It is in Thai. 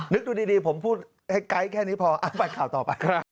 นึกดูดีผมพูดให้ไกด์แค่นี้พอไปข่าวต่อไป